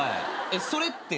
それって。